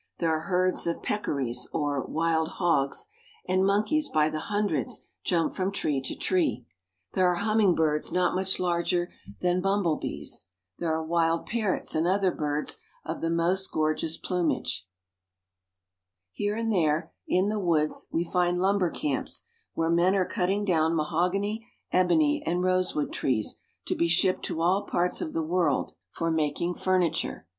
There are herds of peccaries, or wild hogs ; and monkeys by the hundreds jump from tree to tree. There are humming birds not much larger than bumblebees. There are wild parrots and other birds of the most gor geous plumage. Here and there, in the woods, we find lumber camps, where men are cutting down mahogany, ebony, and rose wood trees, to be shipped to all parts of the world for A Hut in Central Anierica. 350 CENTRAL AMERICA. making furniture.